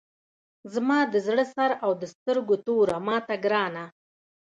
زما د زړه سر او د سترګو توره ماته ګرانه!